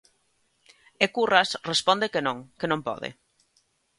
E Curras responde que non, que non pode.